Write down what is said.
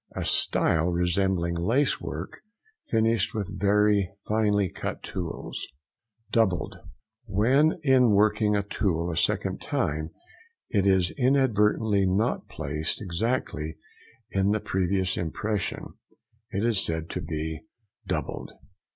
A style resembling lace work, finished with very finely cut tools. DOUBLED.—When in working a tool a second time it is inadvertently not placed exactly in the previous impression, it is said to be "doubled."